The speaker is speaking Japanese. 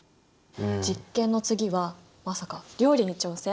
実験の次はまさか料理に挑戦？